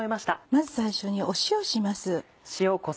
まず最初に塩します。